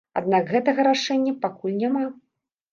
Аднак гэтага рашэння пакуль няма.